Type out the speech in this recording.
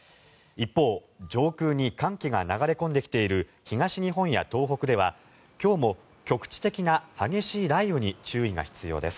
一方、上空に寒気が流れ込んできている東日本や東北では今日も局地的な激しい雷雨に注意が必要です。